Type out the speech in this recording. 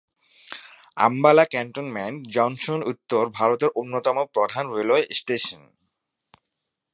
Ambala cantonment junction উত্তর ভারতের অন্যতম প্রধান রেলওয়ে স্টেশন।